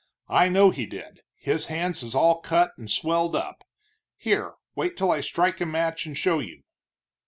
I know he did, his hands is all cut and swelled up here, wait till I strike a match and show you."